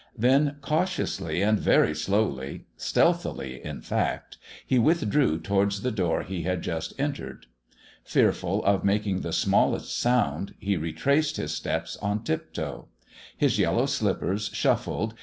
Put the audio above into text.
Then, cautiously and very slowly stealthily, in fact he withdrew towards the door he had just entered. Fearful of making the smallest sound, he retraced his steps on tiptoe. His yellow slippers shuffled.